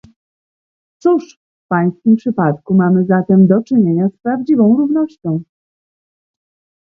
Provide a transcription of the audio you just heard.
Cóż, w pańskim przypadku mamy zatem do czynienia z prawdziwą równością